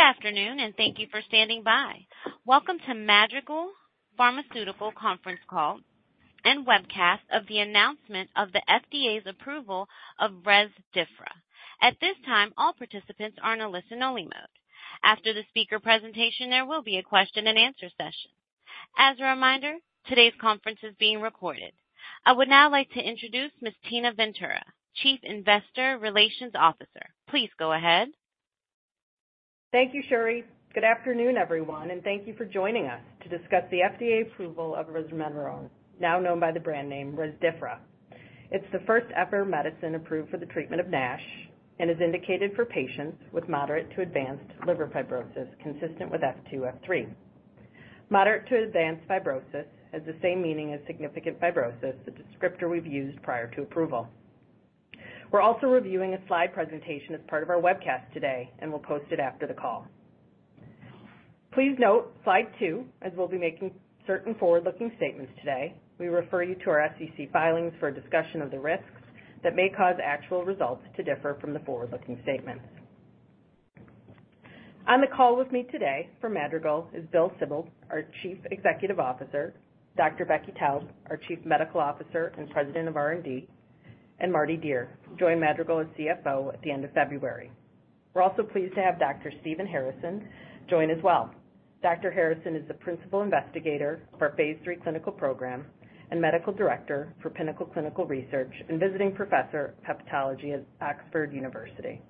Good afternoon, and thank you for standing by. Welcome to Madrigal Pharmaceuticals Conference Call and Webcast of the announcement of the FDA's approval of Rezdiffra. At this time, all participants are in a listen-only mode. After the speaker presentation, there will be a question-and-answer session. As a reminder, today's conference is being recorded. I would now like to introduce Ms. Tina Ventura, Chief Investor Relations Officer. Please go ahead. Thank you, Sherri. Good afternoon, everyone, and thank you for joining us to discuss the FDA approval of resmetirom, now known by the brand name Rezdiffra. It's the first-ever medicine approved for the treatment of NASH and is indicated for patients with moderate to advanced liver fibrosis consistent with F2-F3. Moderate to advanced fibrosis has the same meaning as significant fibrosis, the descriptor we've used prior to approval. We're also reviewing a slide presentation as part of our webcast today, and we'll post it after the call. Please note, slide two, as we'll be making certain forward-looking statements today, we refer you to our SEC filings for a discussion of the risks that may cause actual results to differ from the forward-looking statements. On the call with me today from Madrigal is Bill Sibold, our Chief Executive Officer; Dr. Becky Taub, our Chief Medical Officer and President of R&D, and Mardi Dier, who joined Madrigal as CFO at the end of February. We're also pleased to have Dr. Stephen Harrison join as well. Dr. Harrison is the Principal Investigator for our Phase III clinical program and Medical Director for Pinnacle Clinical Research and Visiting Professor of Hepatology at Oxford University.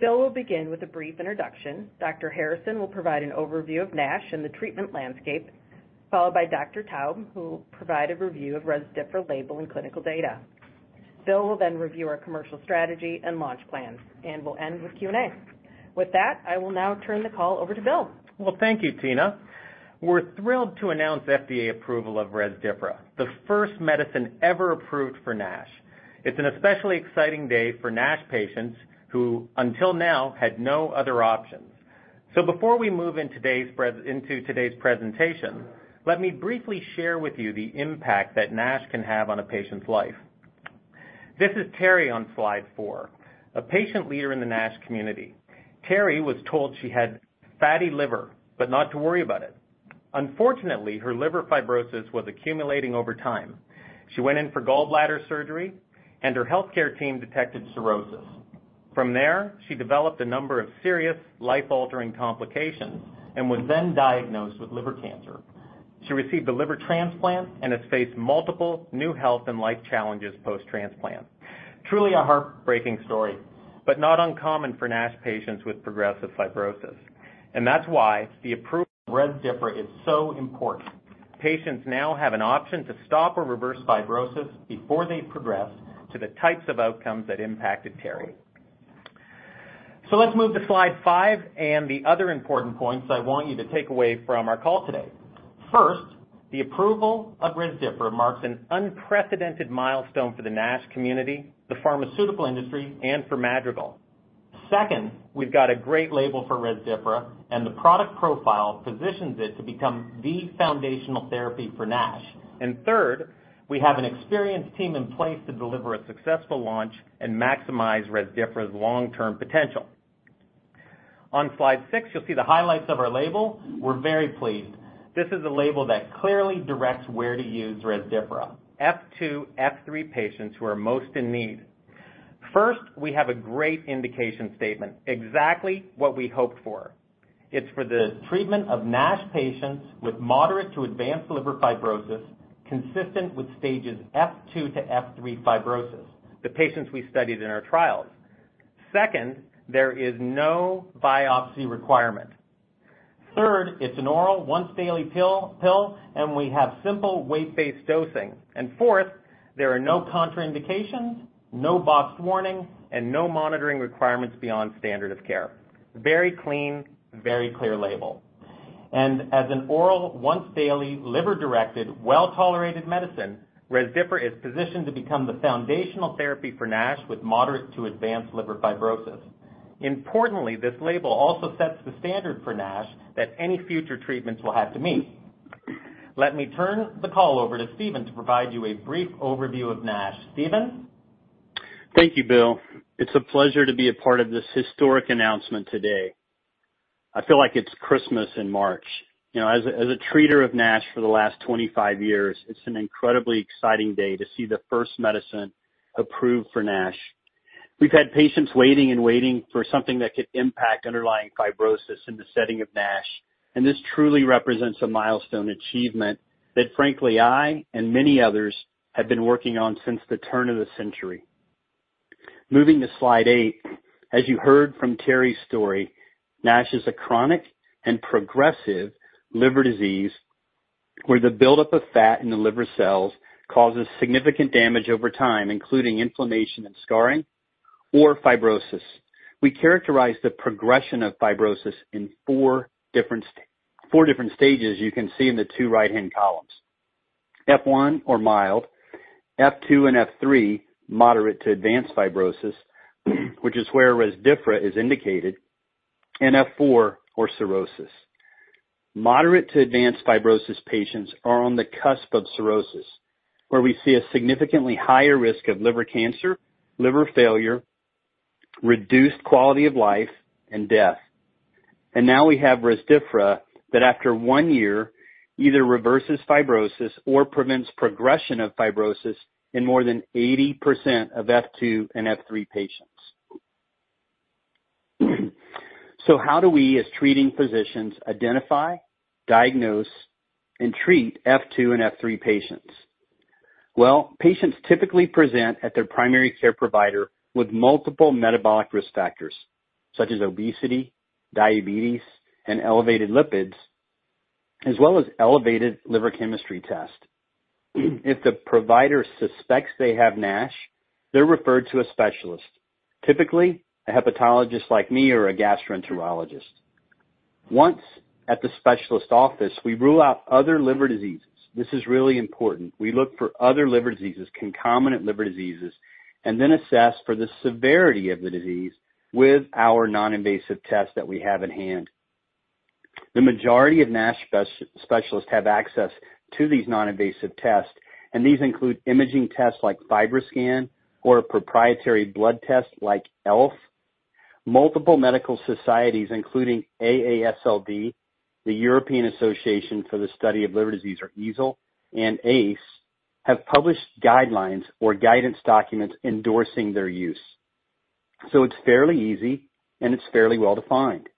Bill will begin with a brief introduction. Dr. Harrison will provide an overview of NASH and the treatment landscape, followed by Dr. Taub, who will provide a review of Rezdiffra label and clinical data. Bill will then review our commercial strategy and launch plans and will end with Q&A. With that, I will now turn the call over to Bill. Well, thank you, Tina. We're thrilled to announce FDA approval of Rezdiffra, the first medicine ever approved for NASH. It's an especially exciting day for NASH patients who, until now, had no other options. So before we move into today's presentation, let me briefly share with you the impact that NASH can have on a patient's life. This is Terri on slide four, a patient leader in the NASH community. Terri was told she had fatty liver but not to worry about it. Unfortunately, her liver fibrosis was accumulating over time. She went in for gallbladder surgery, and her healthcare team detected cirrhosis. From there, she developed a number of serious, life-altering complications and was then diagnosed with liver cancer. She received a liver transplant and has faced multiple new health and life challenges post-transplant. Truly a heartbreaking story, but not uncommon for NASH patients with progressive fibrosis. That's why the approval of Rezdiffra is so important. Patients now have an option to stop or reverse fibrosis before they've progressed to the types of outcomes that impacted Terri. So let's move to slide five and the other important points I want you to take away from our call today. First, the approval of Rezdiffra marks an unprecedented milestone for the NASH community, the pharmaceutical industry, and for Madrigal. Second, we've got a great label for Rezdiffra, and the product profile positions it to become the foundational therapy for NASH. And third, we have an experienced team in place to deliver a successful launch and maximize Rezdiffra's long-term potential. On slide six, you'll see the highlights of our label. We're very pleased. This is a label that clearly directs where to use Rezdiffra: F2-F3 patients who are most in need. First, we have a great indication statement, exactly what we hoped for. It's for the treatment of NASH patients with moderate to advanced liver fibrosis consistent with stages F2-F3 fibrosis, the patients we studied in our trials. Second, there is no biopsy requirement. Third, it's an oral, once-daily pill, and we have simple weight-based dosing. And fourth, there are no contraindications, no boxed warning, and no monitoring requirements beyond standard of care. Very clean, very clear label. And as an oral, once-daily, liver-directed, well-tolerated medicine, Rezdiffra is positioned to become the foundational therapy for NASH with moderate to advanced liver fibrosis. Importantly, this label also sets the standard for NASH that any future treatments will have to meet. Let me turn the call over to Stephen to provide you a brief overview of NASH. Stephen? Thank you, Bill. It's a pleasure to be a part of this historic announcement today. I feel like it's Christmas in March. As a treater of NASH for the last 25 years, it's an incredibly exciting day to see the first medicine approved for NASH. We've had patients waiting and waiting for something that could impact underlying fibrosis in the setting of NASH, and this truly represents a milestone achievement that, frankly, I and many others have been working on since the turn of the century. Moving to slide eight, as you heard from Terri's story, NASH is a chronic and progressive liver disease where the buildup of fat in the liver cells causes significant damage over time, including inflammation and scarring, or fibrosis. We characterize the progression of fibrosis in four different stages you can see in the two right-hand columns: F1, or mild, F2 and F3, moderate to advanced fibrosis, which is where Rezdiffra is indicated, and F4, or cirrhosis. Moderate to advanced fibrosis patients are on the cusp of cirrhosis, where we see a significantly higher risk of liver cancer, liver failure, reduced quality of life, and death. Now we have Rezdiffra that, after one year, either reverses fibrosis or prevents progression of fibrosis in more than 80% of F2 and F3 patients. So how do we, as treating physicians, identify, diagnose, and treat F2 and F3 patients? Well, patients typically present at their primary care provider with multiple metabolic risk factors, such as obesity, diabetes, and elevated lipids, as well as elevated liver chemistry tests. If the provider suspects they have NASH, they're referred to a specialist, typically a hepatologist like me or a gastroenterologist. Once at the specialist's office, we rule out other liver diseases. This is really important. We look for other liver diseases, concomitant liver diseases, and then assess for the severity of the disease with our noninvasive tests that we have in hand. The majority of NASH specialists have access to these noninvasive tests, and these include imaging tests like FibroScan or a proprietary blood test like ELF. Multiple medical societies, including AASLD, the European Association for the Study of the Liver or EASL, and AACE, have published guidelines or guidance documents endorsing their use. So it's fairly easy, and it's fairly well-defined.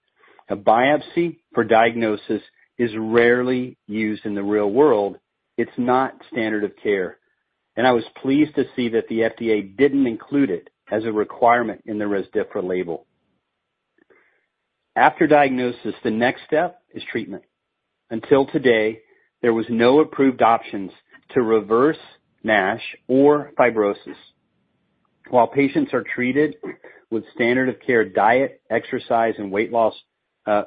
A biopsy for diagnosis is rarely used in the real world. It's not standard of care. I was pleased to see that the FDA didn't include it as a requirement in the Rezdiffra label. After diagnosis, the next step is treatment. Until today, there were no approved options to reverse NASH or fibrosis. While patients are treated with standard-of-care diet, exercise, and weight loss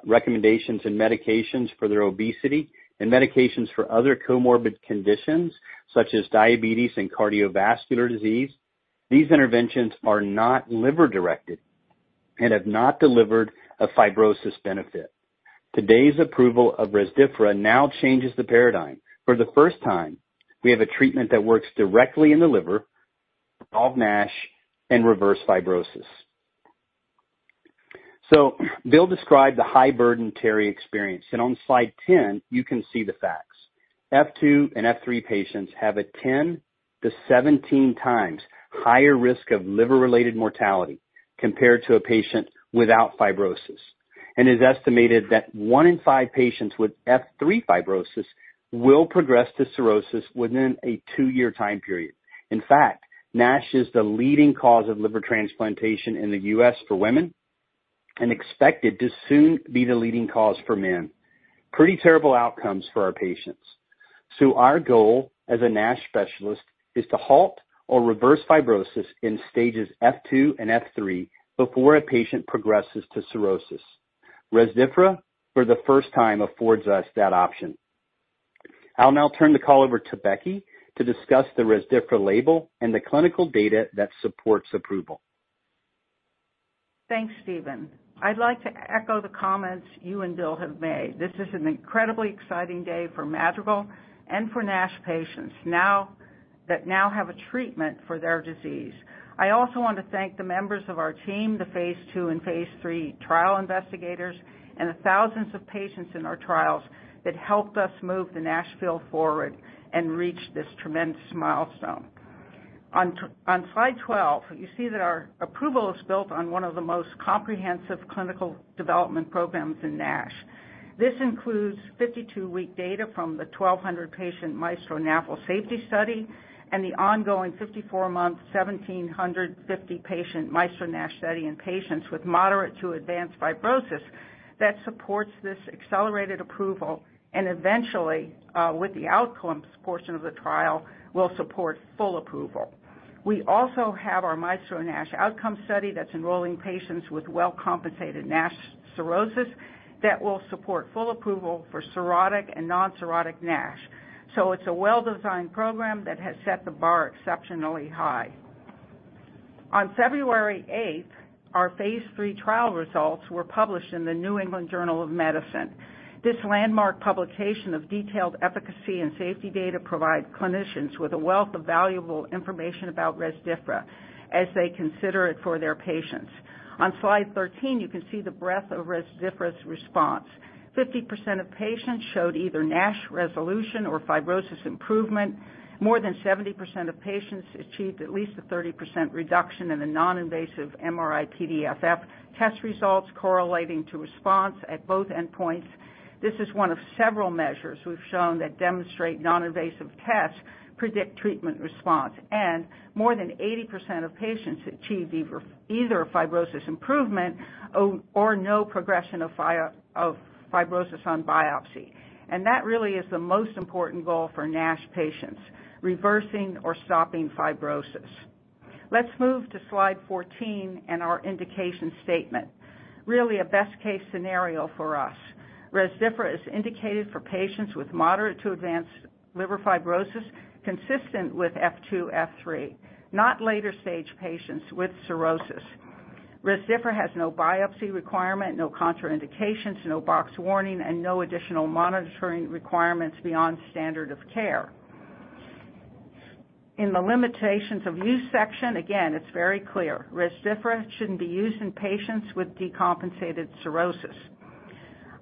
recommendations and medications for their obesity and medications for other comorbid conditions such as diabetes and cardiovascular disease, these interventions are not liver-directed and have not delivered a fibrosis benefit. Today's approval of Rezdiffra now changes the paradigm. For the first time, we have a treatment that works directly in the liver, resolves NASH, and reverses fibrosis. Bill described the high-burden therapy experience, and on slide 10, you can see the facts. F2 and F3 patients have a 10-17x higher risk of liver-related mortality compared to a patient without fibrosis. It's estimated that one in five patients with F3 fibrosis will progress to cirrhosis within a two-year time period. In fact, NASH is the leading cause of liver transplantation in the U.S. for women and expected to soon be the leading cause for men. Pretty terrible outcomes for our patients. So our goal as a NASH specialist is to halt or reverse fibrosis in stages F2 and F3 before a patient progresses to cirrhosis. Rezdiffra, for the first time, affords us that option. I'll now turn the call over to Becky to discuss the Rezdiffra label and the clinical data that supports approval. Thanks, Stephen. I'd like to echo the comments you and Bill have made. This is an incredibly exciting day for Madrigal and for NASH patients that now have a treatment for their disease. I also want to thank the members of our team, the phase II and phase III trial investigators, and the thousands of patients in our trials that helped us move the NASH field forward and reach this tremendous milestone. On slide 12, you see that our approval is built on one of the most comprehensive clinical development programs in NASH. This includes 52-week data from the 1,200-patient Maestro NAFL safety study and the ongoing 54-month 1,750-patient Maestro NASH study in patients with moderate to advanced fibrosis that supports this accelerated approval, and eventually, with the outcomes portion of the trial, will support full approval. We also have our Maestro NASH outcome study that's enrolling patients with well-compensated NASH cirrhosis that will support full approval for cirrhotic and non-cirrhotic NASH. So it's a well-designed program that has set the bar exceptionally high. On February 8th, our phase III trial results were published in the New England Journal of Medicine. This landmark publication of detailed efficacy and safety data provides clinicians with a wealth of valuable information about Rezdiffra as they consider it for their patients. On slide 13, you can see the breadth of Rezdiffra's response. 50% of patients showed either NASH resolution or fibrosis improvement. More than 70% of patients achieved at least a 30% reduction in the noninvasive MRI-PDFF test results correlating to response at both endpoints. This is one of several measures we've shown that demonstrate noninvasive tests predict treatment response. More than 80% of patients achieved either fibrosis improvement or no progression of fibrosis on biopsy. That really is the most important goal for NASH patients: reversing or stopping fibrosis. Let's move to slide 14 and our indication statement, really a best-case scenario for us. Rezdiffra is indicated for patients with moderate to advanced liver fibrosis consistent with F2, F3, not later-stage patients with cirrhosis. Rezdiffra has no biopsy requirement, no contraindications, no box warning, and no additional monitoring requirements beyond standard of care. In the limitations of use section, again, it's very clear: Rezdiffra shouldn't be used in patients with decompensated cirrhosis.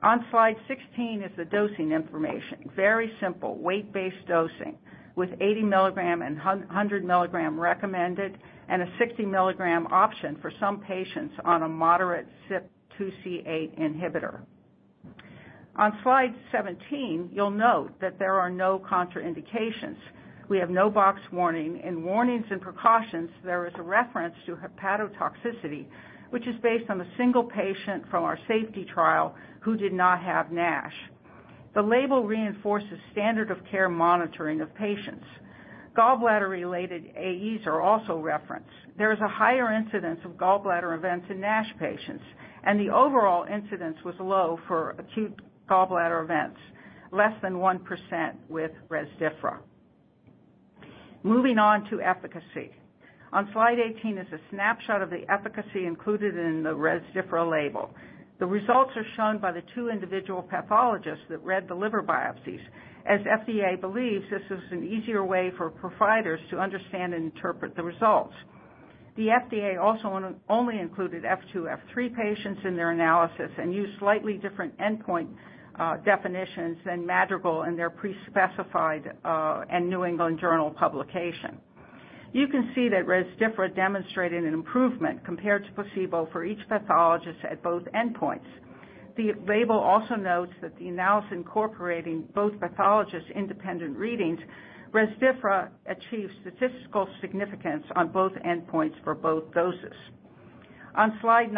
On slide 16 is the dosing information. Very simple: weight-based dosing with 80 mg and 100 mg recommended and a 60 mg option for some patients on a moderate CYP2C8 inhibitor. On slide 17, you'll note that there are no contraindications. We have no box warning. In warnings and precautions, there is a reference to hepatotoxicity, which is based on a single patient from our safety trial who did not have NASH. The label reinforces standard-of-care monitoring of patients. Gallbladder-related AEs are also referenced. There is a higher incidence of gallbladder events in NASH patients, and the overall incidence was low for acute gallbladder events, less than 1% with Rezdiffra. Moving on to efficacy. On slide 18 is a snapshot of the efficacy included in the Rezdiffra label. The results are shown by the two individual pathologists that read the liver biopsies, as the FDA believes this is an easier way for providers to understand and interpret the results. The FDA also only included F2, F3 patients in their analysis and used slightly different endpoint definitions than Madrigal in their pre-specified and New England Journal publication. You can see that Rezdiffra demonstrated an improvement compared to placebo for each pathologist at both endpoints. The label also notes that the analysis incorporating both pathologists' independent readings. Rezdiffra achieved statistical significance on both endpoints for both doses. On slide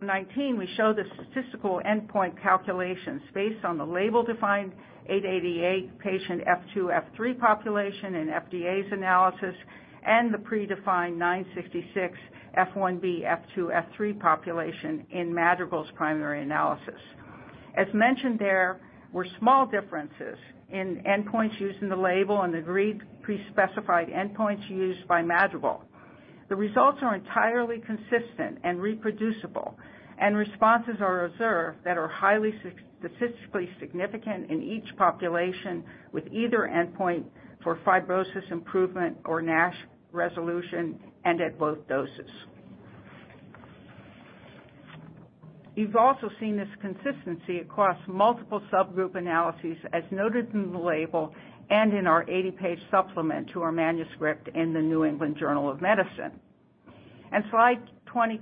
19, we show the statistical endpoint calculations based on the label-defined 888 patient F2, F3 population in FDA's analysis and the pre-defined 966 F1b, F2, F3 population in Madrigal's primary analysis. As mentioned there, there were small differences in endpoints used in the label and the agreed pre-specified endpoints used by Madrigal. The results are entirely consistent and reproducible, and responses are observed that are highly statistically significant in each population with either endpoint for fibrosis improvement or NASH resolution and at both doses. You've also seen this consistency across multiple subgroup analyses, as noted in the label and in our 80-page supplement to our manuscript in the New England Journal of Medicine. Slide 20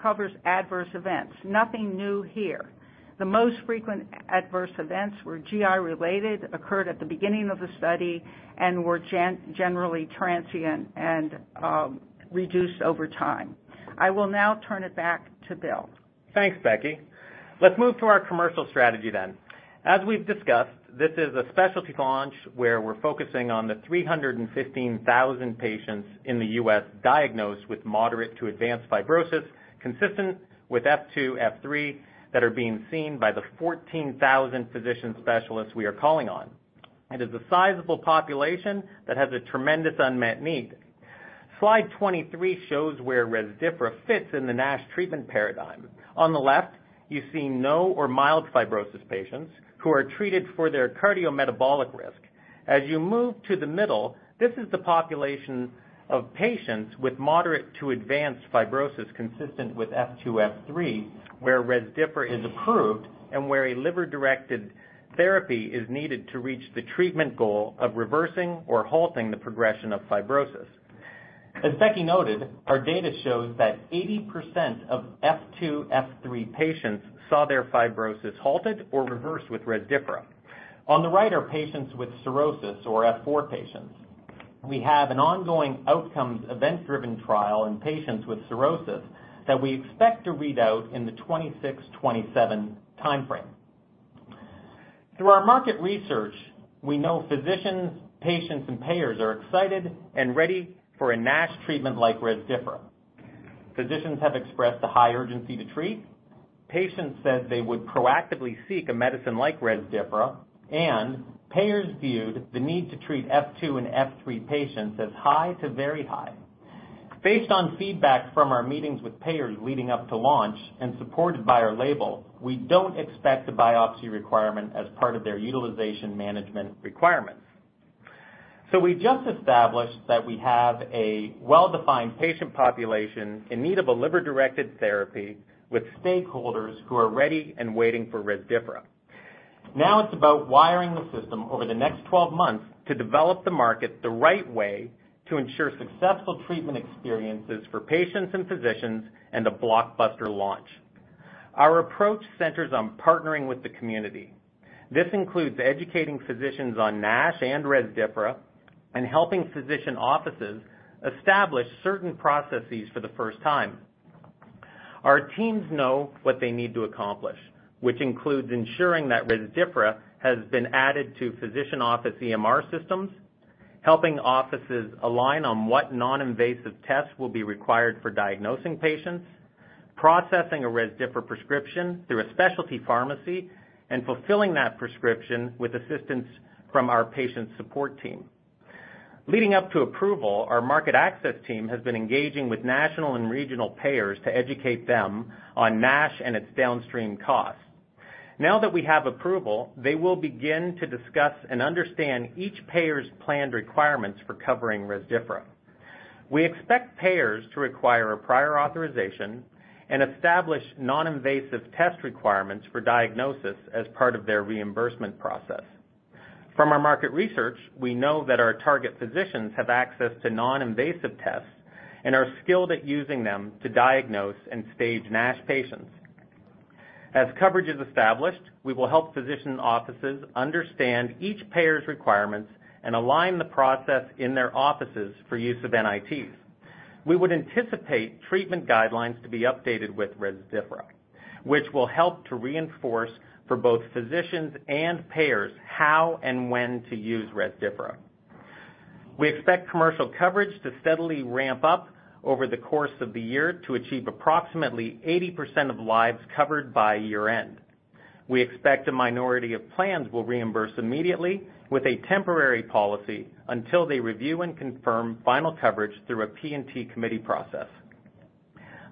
covers adverse events. Nothing new here. The most frequent adverse events were GI-related, occurred at the beginning of the study, and were generally transient and reduced over time. I will now turn it back to Bill. Thanks, Becky. Let's move to our commercial strategy then. As we've discussed, this is a specialty launch where we're focusing on the 315,000 patients in the U.S. diagnosed with moderate to advanced fibrosis, consistent with F2, F3, that are being seen by the 14,000 physician specialists we are calling on. It is a sizable population that has a tremendous unmet need. Slide 23 shows where Rezdiffra fits in the NASH treatment paradigm. On the left, you see no or mild fibrosis patients who are treated for their cardiometabolic risk. As you move to the middle, this is the population of patients with moderate to advanced fibrosis consistent with F2, F3, where Rezdiffra is approved and where a liver-directed therapy is needed to reach the treatment goal of reversing or halting the progression of fibrosis. As Becky noted, our data shows that 80% of F2, F3 patients saw their fibrosis halted or reversed with Rezdiffra. On the right are patients with cirrhosis or F4 patients. We have an ongoing outcomes event-driven trial in patients with cirrhosis that we expect to read out in the 2026-2027 time frame. Through our market research, we know physicians, patients, and payers are excited and ready for a NASH treatment like Rezdiffra. Physicians have expressed a high urgency to treat. Patients said they would proactively seek a medicine like Rezdiffra. Payers viewed the need to treat F2 and F3 patients as high to very high. Based on feedback from our meetings with payers leading up to launch and supported by our label, we don't expect a biopsy requirement as part of their utilization management requirements. We just established that we have a well-defined patient population in need of a liver-directed therapy with stakeholders who are ready and waiting for Rezdiffra. Now it's about wiring the system over the next 12 months to develop the market the right way to ensure successful treatment experiences for patients and physicians and a blockbuster launch. Our approach centers on partnering with the community. This includes educating physicians on NASH and Rezdiffra and helping physician offices establish certain processes for the first time. Our teams know what they need to accomplish, which includes ensuring that Rezdiffra has been added to physician office EMR systems, helping offices align on what noninvasive tests will be required for diagnosing patients, processing a Rezdiffra prescription through a specialty pharmacy, and fulfilling that prescription with assistance from our patient support team. Leading up to approval, our market access team has been engaging with national and regional payers to educate them on NASH and its downstream costs. Now that we have approval, they will begin to discuss and understand each payer's planned requirements for covering Rezdiffra. We expect payers to require a prior authorization and establish noninvasive test requirements for diagnosis as part of their reimbursement process. From our market research, we know that our target physicians have access to noninvasive tests and are skilled at using them to diagnose and stage NASH patients. As coverage is established, we will help physician offices understand each payer's requirements and align the process in their offices for use of NITs. We would anticipate treatment guidelines to be updated with Rezdiffra, which will help to reinforce for both physicians and payers how and when to use Rezdiffra. We expect commercial coverage to steadily ramp up over the course of the year to achieve approximately 80% of lives covered by year-end. We expect a minority of plans will reimburse immediately with a temporary policy until they review and confirm final coverage through a P&T Committee process.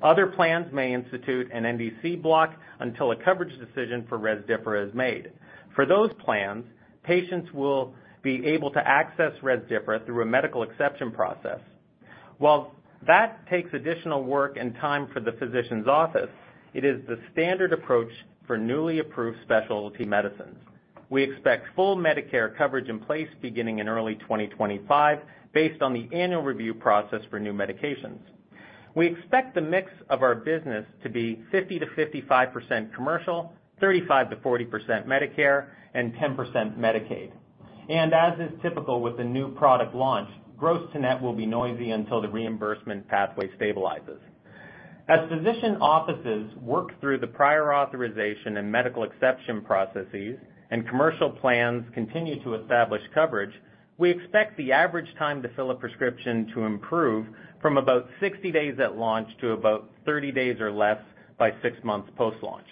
Other plans may institute an NDC block until a coverage decision for Rezdiffra is made. For those plans, patients will be able to access Rezdiffra through a medical exception process. While that takes additional work and time for the physician's office, it is the standard approach for newly approved specialty medicines. We expect full Medicare coverage in place beginning in early 2025 based on the annual review process for new medications. We expect the mix of our business to be 50%-55% commercial, 35%-40% Medicare, and 10% Medicaid. As is typical with the new product launch, gross-to-net will be noisy until the reimbursement pathway stabilizes. As physician offices work through the prior authorization and medical exception processes and commercial plans continue to establish coverage, we expect the average time to fill a prescription to improve from about 60 days at launch to about 30 days or less by six months post-launch.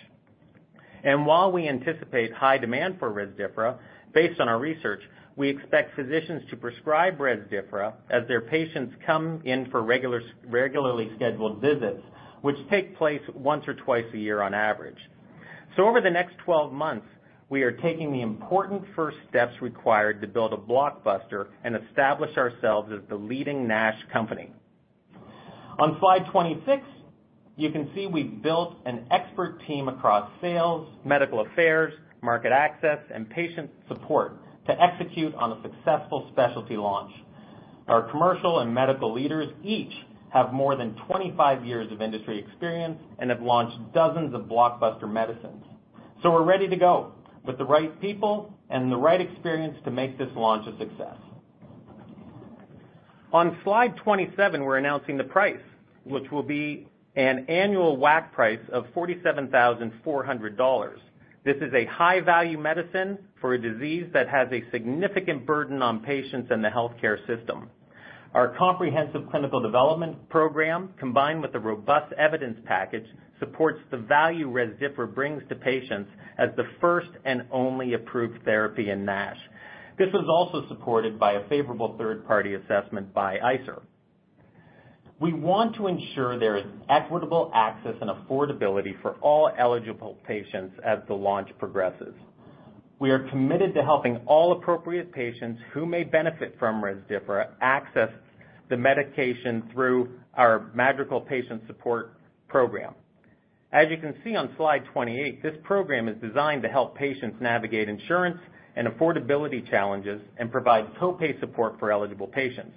And while we anticipate high demand for Rezdiffra, based on our research, we expect physicians to prescribe Rezdiffra as their patients come in for regularly scheduled visits, which take place once or twice a year on average. So over the next 12 months, we are taking the important first steps required to build a blockbuster and establish ourselves as the leading NASH company. On slide 26, you can see we've built an expert team across sales, medical affairs, market access, and patient support to execute on a successful specialty launch. Our commercial and medical leaders each have more than 25 years of industry experience and have launched dozens of blockbuster medicines. So we're ready to go with the right people and the right experience to make this launch a success. On slide 27, we're announcing the price, which will be an annual WAC price of $47,400. This is a high-value medicine for a disease that has a significant burden on patients and the healthcare system. Our comprehensive clinical development program, combined with a robust evidence package, supports the value Rezdiffra brings to patients as the first and only approved therapy in NASH. This was also supported by a favorable third-party assessment by ICER. We want to ensure there is equitable access and affordability for all eligible patients as the launch progresses. We are committed to helping all appropriate patients who may benefit from Rezdiffra access the medication through our Madrigal Patient Support Program. As you can see on slide 28, this program is designed to help patients navigate insurance and affordability challenges and provide copay support for eligible patients.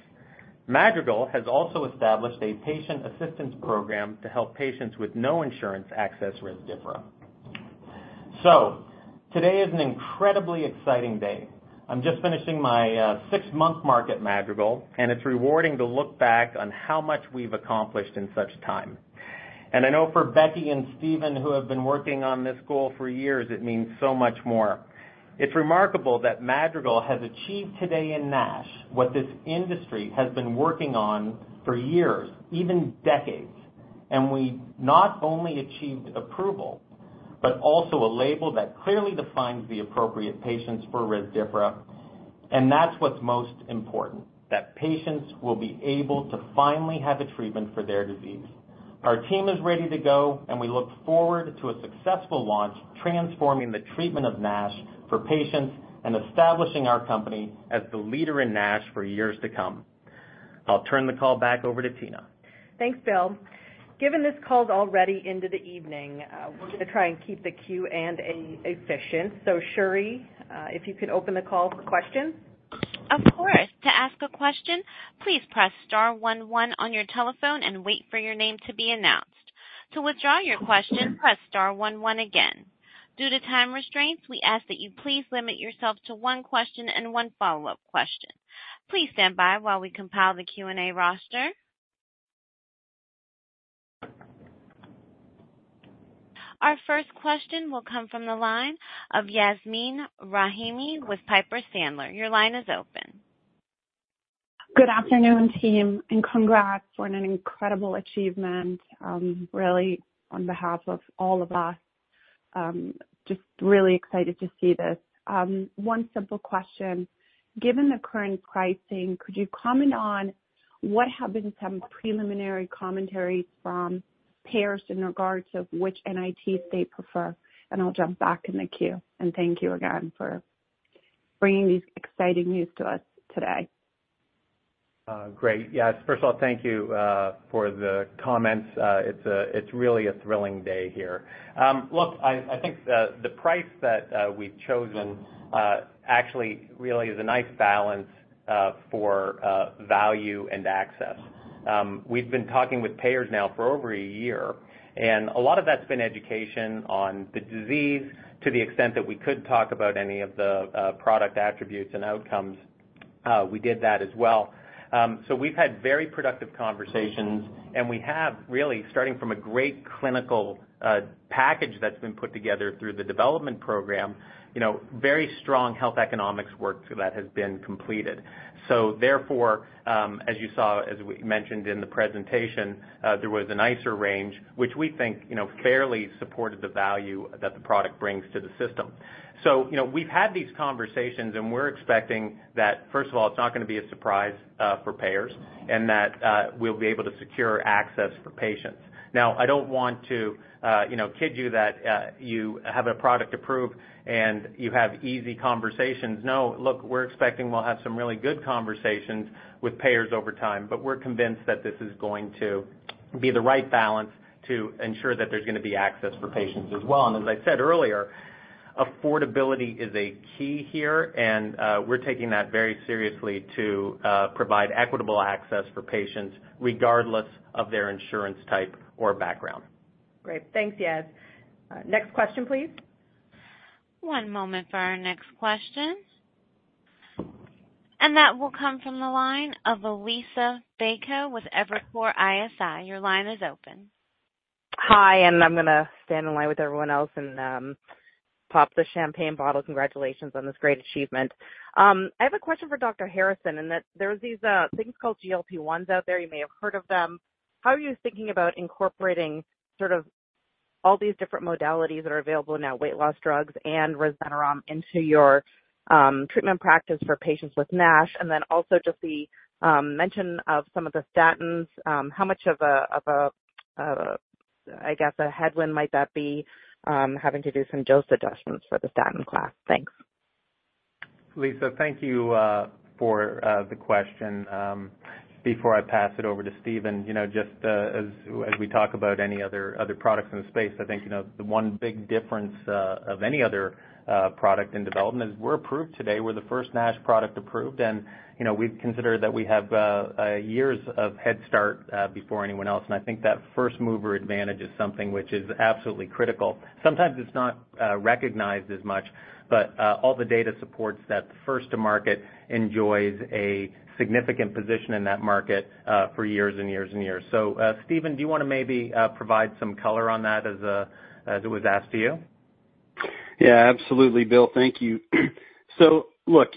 Madrigal has also established a patient assistance program to help patients with no insurance access Rezdiffra. So today is an incredibly exciting day. I'm just finishing my six-month mark at Madrigal, and it's rewarding to look back on how much we've accomplished in such time. And I know for Becky and Stephen, who have been working on this goal for years, it means so much more. It's remarkable that Madrigal has achieved today in NASH what this industry has been working on for years, even decades. And we not only achieved approval but also a label that clearly defines the appropriate patients for Rezdiffra. And that's what's most important, that patients will be able to finally have a treatment for their disease. Our team is ready to go, and we look forward to a successful launch transforming the treatment of NASH for patients and establishing our company as the leader in NASH for years to come. I'll turn the call back over to Tina. Thanks, Bill. Given this call's already into the evening, we're going to try and keep the queue efficient. So, Sherri, if you could open the call for questions. Of course. To ask a question, please press star one one on your telephone and wait for your name to be announced. To withdraw your question, press star one one again. Due to time restraints, we ask that you please limit yourself to one question and one follow-up question. Please stand by while we compile the Q&A roster. Our first question will come from the line of Yasmeen Rahimi with Piper Sandler. Your line is open. Good afternoon, team, and congrats on an incredible achievement, really, on behalf of all of us. Just really excited to see this. One simple question. Given the current pricing, could you comment on what have been some preliminary commentaries from payers in regards to which NITs they prefer? And I'll jump back in the queue. And thank you again for bringing these exciting news to us today. Great. Yes. First of all, thank you for the comments. It's really a thrilling day here. Look, I think the price that we've chosen actually really is a nice balance for value and access. We've been talking with payers now for over a year, and a lot of that's been education on the disease to the extent that we could talk about any of the product attributes and outcomes. We did that as well. So we've had very productive conversations, and we have, really, starting from a great clinical package that's been put together through the development program, very strong health economics work that has been completed. So therefore, as you saw, as we mentioned in the presentation, there was an ICER range, which we think fairly supported the value that the product brings to the system. So we've had these conversations, and we're expecting that, first of all, it's not going to be a surprise for payers and that we'll be able to secure access for patients. Now, I don't want to kid you that you have a product approved and you have easy conversations. No, look, we're expecting we'll have some really good conversations with payers over time, but we're convinced that this is going to be the right balance to ensure that there's going to be access for patients as well. And as I said earlier, affordability is a key here, and we're taking that very seriously to provide equitable access for patients regardless of their insurance type or background. Great. Thanks, Yaz. Next question, please. One moment for our next question. That will come from the line of Liisa Bayko with Evercore ISI. Your line is open. Hi, and I'm going to stand in line with everyone else and pop the champagne bottle. Congratulations on this great achievement. I have a question for Dr. Harrison, and there are these things called GLP-1s out there. You may have heard of them. How are you thinking about incorporating sort of all these different modalities that are available now, weight loss drugs and resmetirom, into your treatment practice for patients with NASH? And then also just the mention of some of the statins, how much of a, I guess, a headwind might that be, having to do some dose adjustments for the statin class? Thanks. Liisa, thank you for the question. Before I pass it over to Stephen, just as we talk about any other products in the space, I think the one big difference of any other product in development is we're approved today. We're the first NASH product approved, and we've considered that we have years of head start before anyone else. I think that first-mover advantage is something which is absolutely critical. Sometimes it's not recognized as much, but all the data supports that the first-to-market enjoys a significant position in that market for years and years and years. Stephen, do you want to maybe provide some color on that as it was asked to you? Yeah, absolutely, Bill. Thank you. So, look,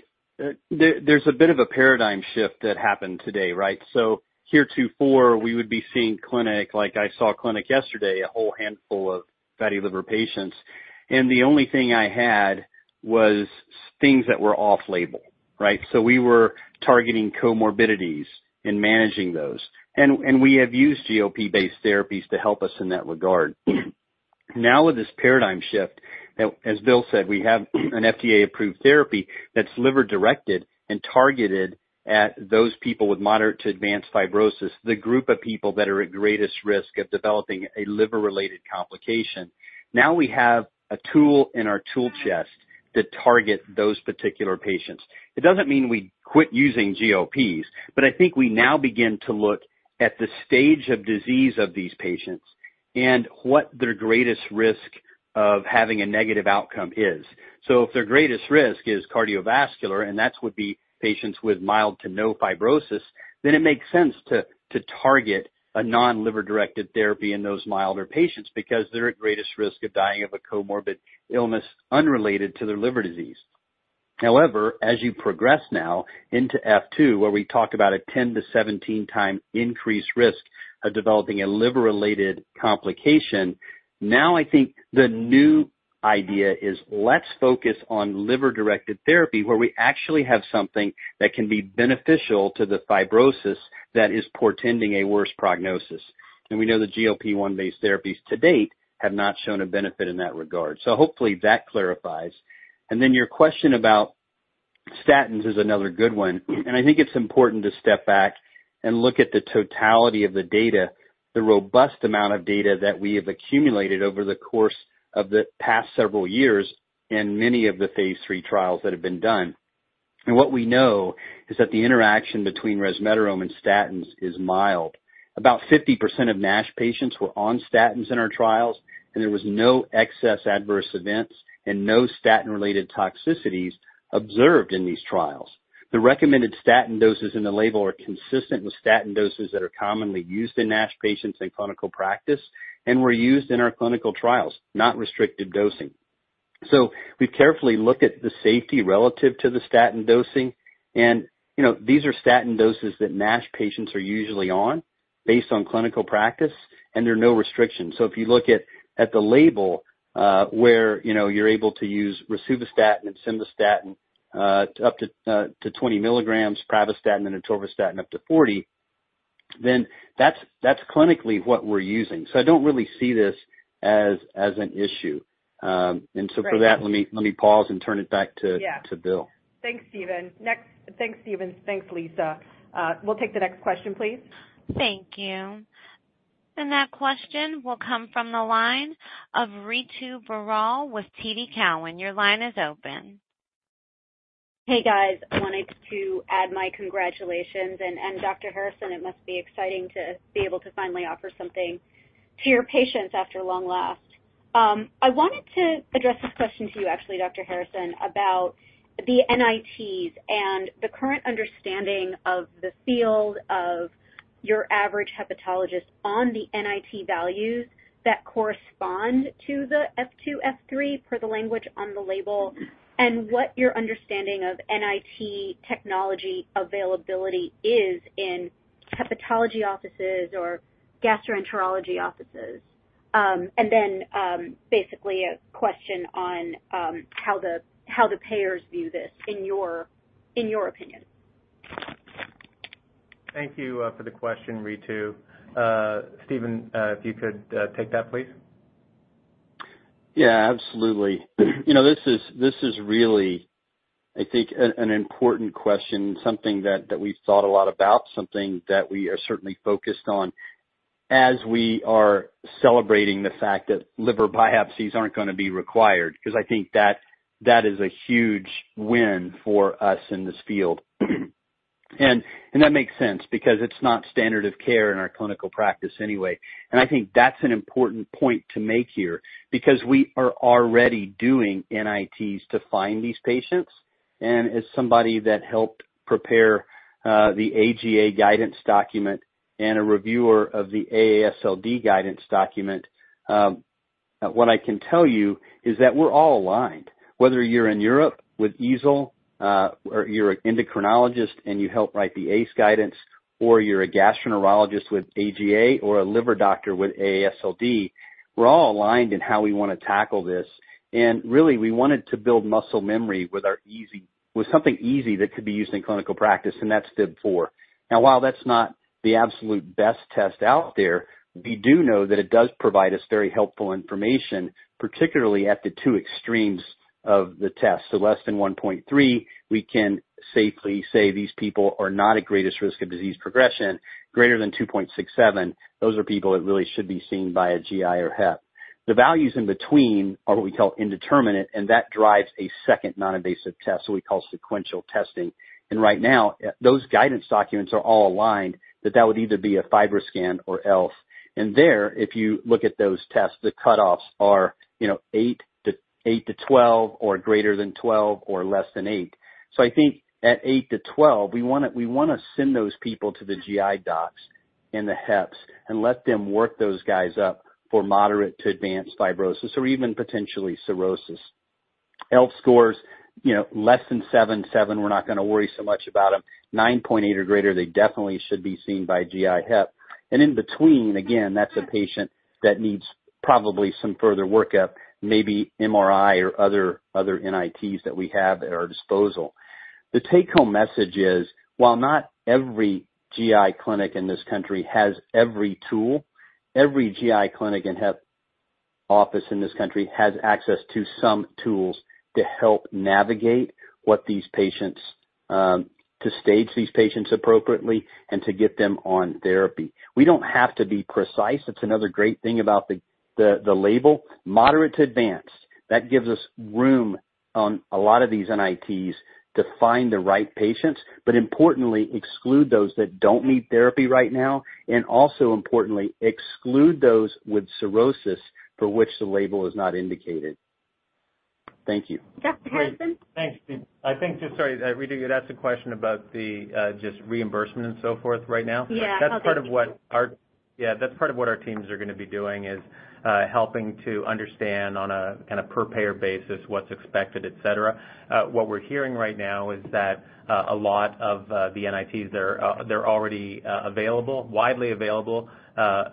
there's a bit of a paradigm shift that happened today, right? So F2-F4, we would be seeing in clinic like I saw in clinic yesterday, a whole handful of fatty liver patients. And the only thing I had was things that were off-label, right? So we were targeting comorbidities and managing those. And we have used GLP-based therapies to help us in that regard. Now, with this paradigm shift, as Bill said, we have an FDA-approved therapy that's liver-directed and targeted at those people with moderate to advanced fibrosis, the group of people that are at greatest risk of developing a liver-related complication. Now we have a tool in our tool chest to target those particular patients. It doesn't mean we quit using GLPs, but I think we now begin to look at the stage of disease of these patients and what their greatest risk of having a negative outcome is. So if their greatest risk is cardiovascular, and that would be patients with mild to no fibrosis, then it makes sense to target a non-liver-directed therapy in those milder patients because they're at greatest risk of dying of a comorbid illness unrelated to their liver disease. However, as you progress now into F2, where we talk about a 10-17-time increased risk of developing a liver-related complication, now I think the new idea is let's focus on liver-directed therapy where we actually have something that can be beneficial to the fibrosis that is portending a worse prognosis. We know the GLP-1-based therapies to date have not shown a benefit in that regard. So hopefully, that clarifies. Then your question about statins is another good one. I think it's important to step back and look at the totality of the data, the robust amount of data that we have accumulated over the course of the past several years in many of the phase 3 trials that have been done. What we know is that the interaction between resmetirom and statins is mild. About 50% of NASH patients were on statins in our trials, and there was no excess adverse events and no statin-related toxicities observed in these trials. The recommended statin doses in the label are consistent with statin doses that are commonly used in NASH patients in clinical practice and were used in our clinical trials, not restricted dosing. So we've carefully looked at the safety relative to the statin dosing. These are statin doses that NASH patients are usually on based on clinical practice, and there are no restrictions. So if you look at the label where you're able to use rosuvastatin and simvastatin up to 20 mg, pravastatin and atorvastatin up to 40, then that's clinically what we're using. So I don't really see this as an issue. And so for that, let me pause and turn it back to Bill. Yeah. Thanks, Stephen. Thanks, Stephen. Thanks, Liisa. We'll take the next question, please. Thank you. And that question will come from the line of Ritu Baral with TD Cowen. Your line is open. Hey, guys. I wanted to add my congratulations. And Dr. Harrison, it must be exciting to be able to finally offer something to your patients at long last. I wanted to address this question to you, actually, Dr. Harrison, about the NITs and the current understanding in the field of your average hepatologist on the NIT values that correspond to the F2, F3, per the language on the label, and what your understanding of NIT technology availability is in hepatology offices or gastroenterology offices. And then basically a question on how the payers view this, in your opinion. Thank you for the question, Ritu. Stephen, if you could take that, please. Yeah, absolutely. This is really, I think, an important question, something that we've thought a lot about, something that we are certainly focused on as we are celebrating the fact that liver biopsies aren't going to be required because I think that is a huge win for us in this field. That makes sense because it's not standard of care in our clinical practice anyway. I think that's an important point to make here because we are already doing NITs to find these patients. As somebody that helped prepare the AGA guidance document and a reviewer of the AASLD guidance document, what I can tell you is that we're all aligned, whether you're in Europe with EASL or you're an endocrinologist and you help write the AACE guidance, or you're a gastroenterologist with AGA or a liver doctor with AASLD. We're all aligned in how we want to tackle this. And really, we wanted to build muscle memory with something easy that could be used in clinical practice, and that's FIB-4. Now, while that's not the absolute best test out there, we do know that it does provide us very helpful information, particularly at the two extremes of the test. So less than 1.3, we can safely say these people are not at greatest risk of disease progression. Greater than 2.67, those are people that really should be seen by a GI or HEP. The values in between are what we call indeterminate, and that drives a second non-invasive test that we call sequential testing. And right now, those guidance documents are all aligned that that would either be a FibroScan or ELF. There, if you look at those tests, the cutoffs are 8-12 or greater than 12 or less than eight. So I think at 8-12, we want to send those people to the GI docs and the HEPs and let them work those guys up for moderate to advanced fibrosis or even potentially cirrhosis. ELF scores less than 7.7, we're not going to worry so much about them. 9.8 or greater, they definitely should be seen by GI, HEP. And in between, again, that's a patient that needs probably some further workup, maybe MRI or other NITs that we have at our disposal. The take-home message is, while not every GI clinic in this country has every tool, every GI clinic and HEP office in this country has access to some tools to help navigate what these patients to stage these patients appropriately and to get them on therapy. We don't have to be precise. That's another great thing about the label, moderate to advanced. That gives us room on a lot of these NITs to find the right patients, but importantly, exclude those that don't need therapy right now. And also importantly, exclude those with cirrhosis for which the label is not indicated. Thank you. Yeah, Harrison? Thanks, Steve. I think just sorry, Ritu, you had asked a question about just reimbursement and so forth right now. Yeah, I did. That's part of what our teams are going to be doing is helping to understand on a kind of per-payer basis what's expected, etc. What we're hearing right now is that a lot of the NITs, they're already available, widely available.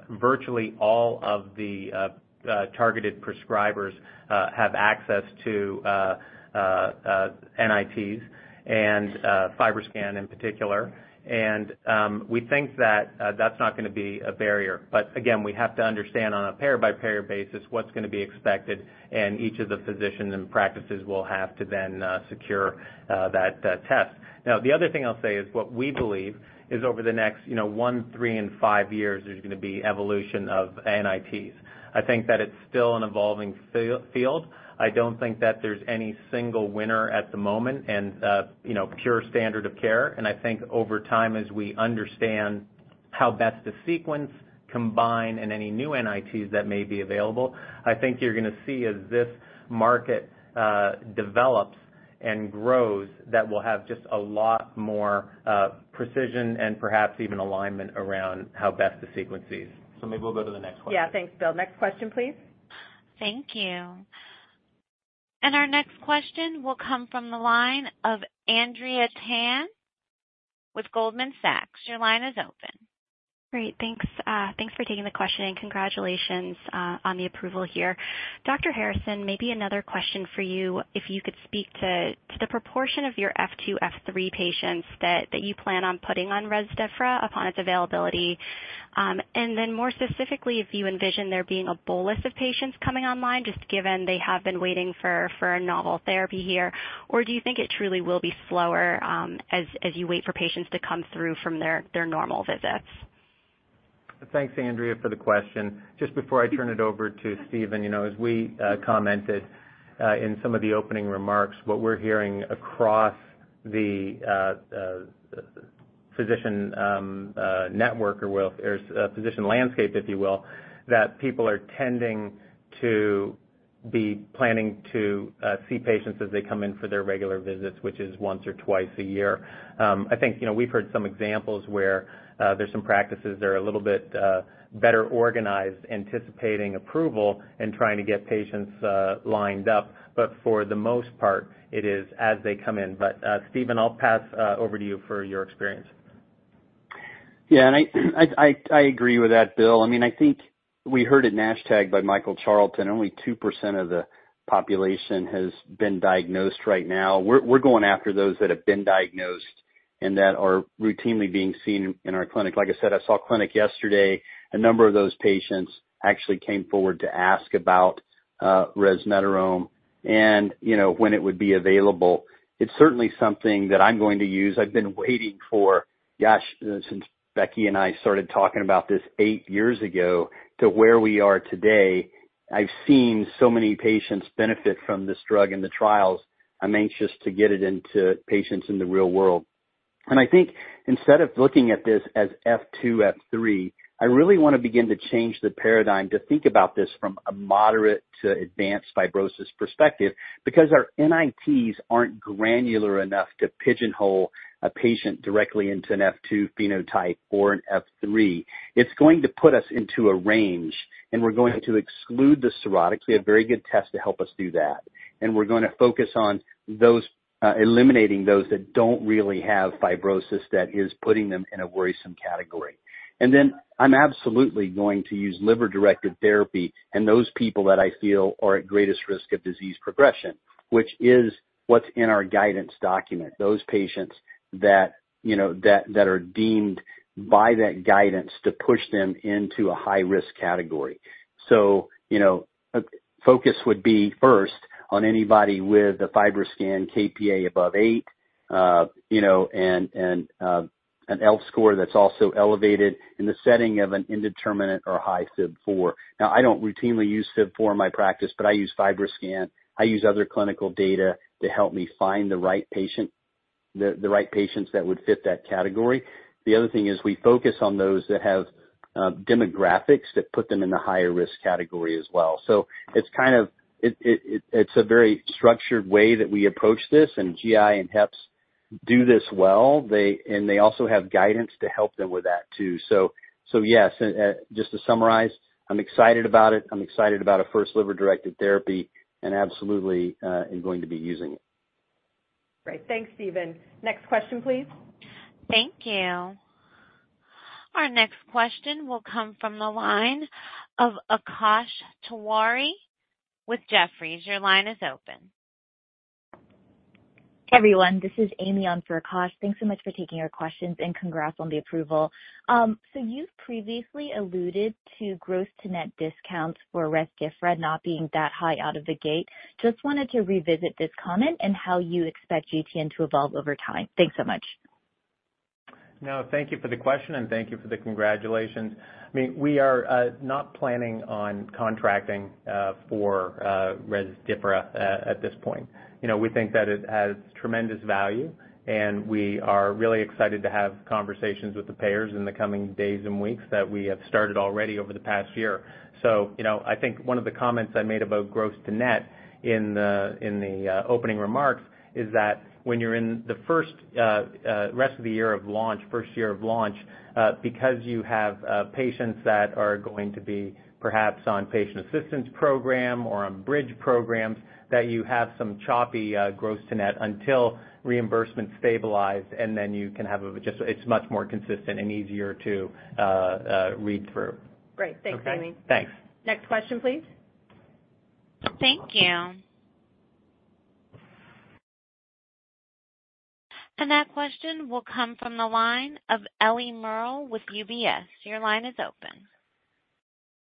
Virtually all of the targeted prescribers have access to NITs and FibroScan in particular. We think that that's not going to be a barrier. But again, we have to understand on a payer-by-payer basis what's going to be expected, and each of the physicians and practices will have to then secure that test. Now, the other thing I'll say is what we believe is over the next one, three, and five years, there's going to be evolution of NITs. I think that it's still an evolving field. I don't think that there's any single winner at the moment and pure standard of care. I think over time, as we understand how best to sequence, combine, and any new NITs that may be available, I think you're going to see as this market develops and grows that we'll have just a lot more precision and perhaps even alignment around how best to sequence these. Maybe we'll go to the next question. Yeah, thanks, Bill. Next question, please. Thank you. Our next question will come from the line of Andrea Tan with Goldman Sachs. Your line is open. Great. Thanks for taking the question, and congratulations on the approval here. Dr. Harrison, maybe another question for you. If you could speak to the proportion of your F2, F3 patients that you plan on putting on Rezdiffra upon its availability, and then more specifically, if you envision there being a bolus of patients coming online, just given they have been waiting for a novel therapy here, or do you think it truly will be slower as you wait for patients to come through from their normal visits? Thanks, Andrea, for the question. Just before I turn it over to Stephen, as we commented in some of the opening remarks, what we're hearing across the physician network or physician landscape, if you will, that people are tending to be planning to see patients as they come in for their regular visits, which is once or twice a year. I think we've heard some examples where there's some practices that are a little bit better organized anticipating approval and trying to get patients lined up. But for the most part, it is as they come in. But Stephen, I'll pass over to you for your experience. Yeah, and I agree with that, Bill. I mean, I think we heard it hashtagged by Michael Charlton. Only 2% of the population has been diagnosed right now. We're going after those that have been diagnosed and that are routinely being seen in our clinic. Like I said, I saw clinic yesterday. A number of those patients actually came forward to ask about resmetirom and when it would be available. It's certainly something that I'm going to use. I've been waiting for, gosh, since Becky and I started talking about this eight years ago to where we are today. I've seen so many patients benefit from this drug in the trials. I'm anxious to get it into patients in the real world. I think instead of looking at this as F2, F3, I really want to begin to change the paradigm to think about this from a moderate to advanced fibrosis perspective because our NITs aren't granular enough to pigeonhole a patient directly into an F2 phenotype or an F3. It's going to put us into a range, and we're going to exclude the cirrhotics. We have very good tests to help us do that. We're going to focus on eliminating those that don't really have fibrosis that is putting them in a worrisome category. Then I'm absolutely going to use liver-directed therapy and those people that I feel are at greatest risk of disease progression, which is what's in our guidance document, those patients that are deemed by that guidance to push them into a high-risk category. So focus would be first on anybody with a FibroScan kPa above eight and an ELF score that's also elevated in the setting of an indeterminate or high FIB-4. Now, I don't routinely use FIB-4 in my practice, but I use FibroScan. I use other clinical data to help me find the right patients that would fit that category. The other thing is we focus on those that have demographics that put them in the higher-risk category as well. So it's kind of a very structured way that we approach this. GI and HEPs do this well, and they also have guidance to help them with that too. So yes, just to summarize, I'm excited about it. I'm excited about a first liver-directed therapy and absolutely am going to be using it. Great. Thanks, Stephen. Next question, please. Thank you. Our next question will come from the line of Akash Tewari with Jefferies. Your line is open. Hey, everyone. This is Amy on for Akash. Thanks so much for taking your questions, and congrats on the approval. So you've previously alluded to gross-to-net discounts for Rezdiffra not being that high out of the gate. Just wanted to revisit this comment and how you expect GTN to evolve over time. Thanks so much. No, thank you for the question, and thank you for the congratulations. I mean, we are not planning on contracting for Rezdiffra at this point. We think that it has tremendous value, and we are really excited to have conversations with the payers in the coming days and weeks that we have started already over the past year. So I think one of the comments I made about gross-to-net in the opening remarks is that when you're in the first rest of the year of launch, first year of launch, because you have patients that are going to be perhaps on patient assistance program or on bridge programs, that you have some choppy gross-to-net until reimbursement stabilized, and then you can have just it's much more consistent and easier to read through. Great. Thanks, Amy. Okay. Thanks. Next question, please. Thank you. That question will come from the line of Ellie Merle with UBS. Your line is open.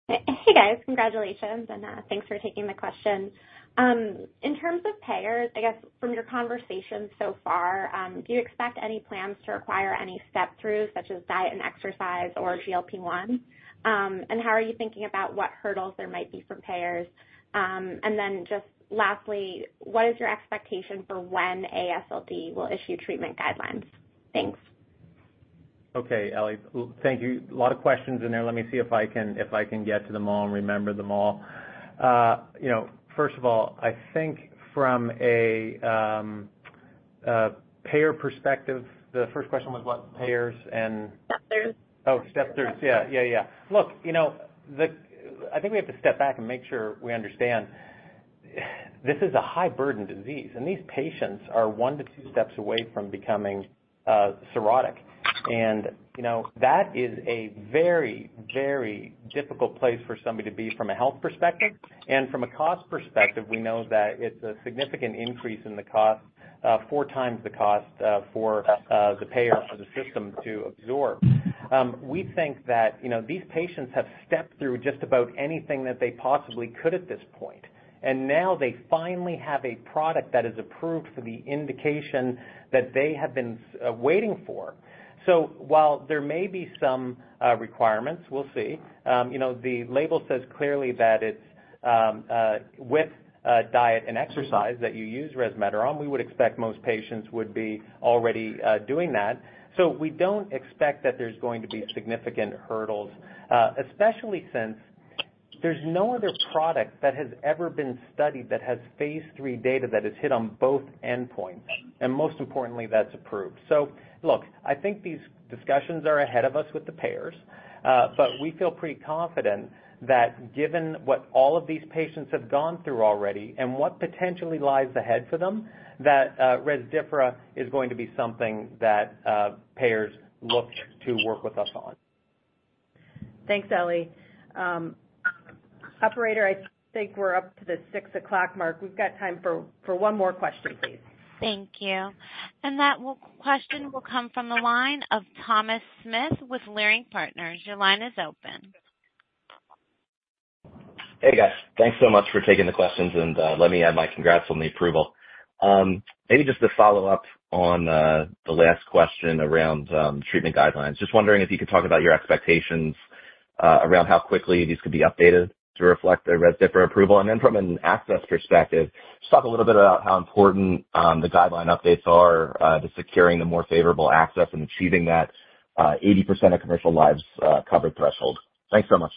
Hey, guys. Congratulations, and thanks for taking the question. In terms of payers, I guess from your conversation so far, do you expect any plans to require any step-throughs such as diet and exercise or GLP-1? And how are you thinking about what hurdles there might be for payers? And then just lastly, what is your expectation for when AASLD will issue treatment guidelines? Thanks. Okay, Ellie. Thank you. A lot of questions in there. Let me see if I can get to them all and remember them all. First of all, I think from a payer perspective, the first question was what payers and. Step-throughs. Oh, step-throughs. Yeah, yeah, yeah. Look, I think we have to step back and make sure we understand this is a high-burden disease, and these patients are one to two steps away from becoming cirrhotic. That is a very, very difficult place for somebody to be from a health perspective. From a cost perspective, we know that it's a significant increase in the cost, four times the cost for the payer or for the system to absorb. We think that these patients have stepped through just about anything that they possibly could at this point, and now they finally have a product that is approved for the indication that they have been waiting for. So while there may be some requirements, we'll see. The label says clearly that it's with diet and exercise that you use resmetirom. We would expect most patients would be already doing that. So we don't expect that there's going to be significant hurdles, especially since there's no other product that has ever been studied that has phase 3 data that has hit on both endpoints. And most importantly, that's approved. So look, I think these discussions are ahead of us with the payers, but we feel pretty confident that given what all of these patients have gone through already and what potentially lies ahead for them, that Rezdiffra is going to be something that payers look to work with us on. Thanks, Ellie. Operator, I think we're up to the 6 o'clock mark. We've got time for one more question, please. Thank you. And that question will come from the line of Thomas Smith with Leerink Partners. Your line is open. Hey, guys. Thanks so much for taking the questions, and let me add my congrats on the approval. Maybe just to follow up on the last question around treatment guidelines, just wondering if you could talk about your expectations around how quickly these could be updated to reflect the Rezdiffra approval. And then from an access perspective, just talk a little bit about how important the guideline updates are to securing the more favorable access and achieving that 80% of commercial lives covered threshold. Thanks so much.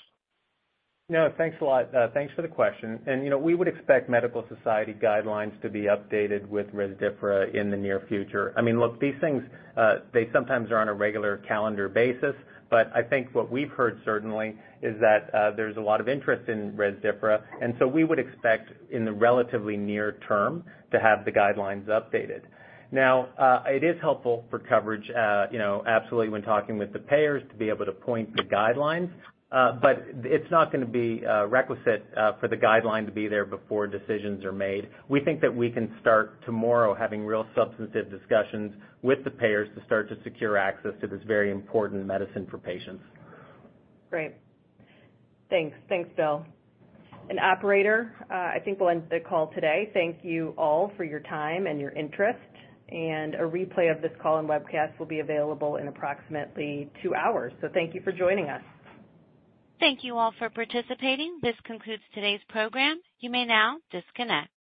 No, thanks a lot. Thanks for the question. We would expect Medical Society guidelines to be updated with Rezdiffra in the near future. I mean, look, these things, they sometimes are on a regular calendar basis, but I think what we've heard certainly is that there's a lot of interest in Rezdiffra. And so we would expect in the relatively near term to have the guidelines updated. Now, it is helpful for coverage, absolutely, when talking with the payers to be able to point the guidelines, but it's not going to be requisite for the guideline to be there before decisions are made. We think that we can start tomorrow having real substantive discussions with the payers to start to secure access to this very important medicine for patients. Great. Thanks. Thanks, Bill. Operator, I think we'll end the call today. Thank you all for your time and your interest. A replay of this call and webcast will be available in approximately two hours. Thank you for joining us. Thank you all for participating. This concludes today's program. You may now disconnect.